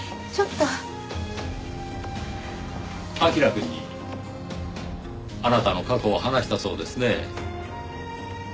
彬くんにあなたの過去を話したそうですねぇ。